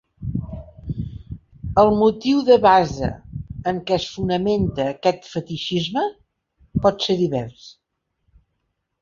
El motiu de base en què es fonamenta aquest fetitxisme pot ser divers.